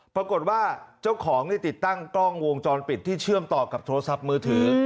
ปรากฏว่าเจ้าของติดตั้งกล้องวงจรปิดที่เชื่อมต่อกับโทรศัพท์มือถือ